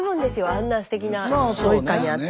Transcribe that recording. あんなすてきなご一家に会って。